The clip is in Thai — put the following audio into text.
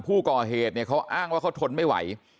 ผู้ก่อเหตุเขาอ้างว่าเค้าทนไม่ไหว